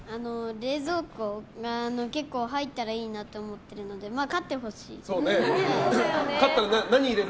冷蔵庫が結構、入ったらいいなと思ってるので何入れる？